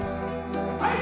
はい！